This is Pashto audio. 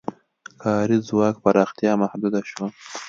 کاري ځواک پراختیا محدوده شوه.